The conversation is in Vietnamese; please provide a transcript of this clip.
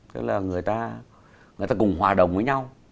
tức là người ta cùng hòa đồng với nhau